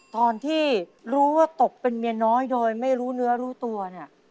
ตอนที่รู้ว่าตกเป็นเมียน้อยโดยไม่รู้เนื้อรู้ตัวเนี่ย